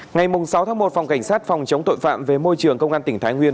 ngày sáu tháng một phòng cảnh sát phòng chống tội phạm về môi trường công an tỉnh thái nguyên